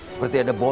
seperti ada bondo